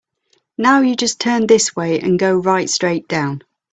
Now you just turn this way and go right straight down.